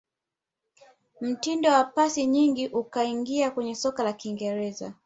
Mtindo wa pasi nyingi ukaingia kwenye soka la kiingereza